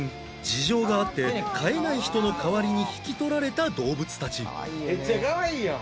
事情があって飼えない人の代わりに引き取られた動物たち